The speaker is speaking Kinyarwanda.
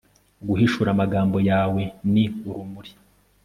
guhishura amagambo yawe ni urumuri